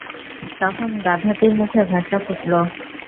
তখন গাধাটির মুখে ভাষা ফুটল।